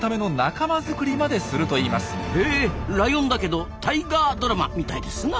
へえライオンだけどタイガードラマみたいですな！